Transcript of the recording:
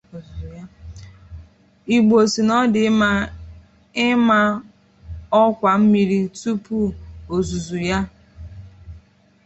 Igbo sị na ọ na-adị mma ịma ọkwa mmiri tupuu ozuzo ya